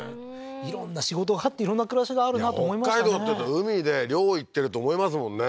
色んな仕事があって色んな暮らしがあるなと北海道っていうと海で漁行ってると思いますもんね